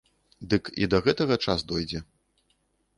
Дык і да гэтага час дойдзе.